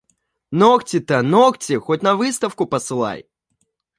Ногти-то, ногти, хоть на выставку посылай!